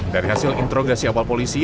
dari hasil interogasi awal polisi